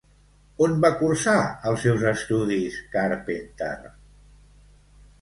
On va cursar els seus estudis Carpenter?